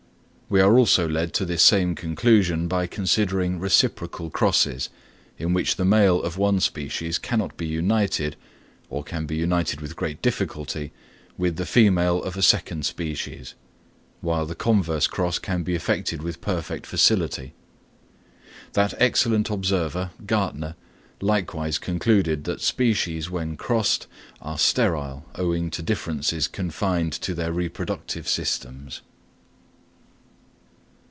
We are also led to this same conclusion by considering reciprocal crosses, in which the male of one species cannot be united, or can be united with great difficulty, with the female of a second species, while the converse cross can be effected with perfect facility. That excellent observer, Gärtner, likewise concluded that species when crossed are sterile owing to differences confined to their reproductive systems.